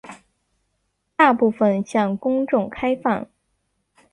大部分向公众开放。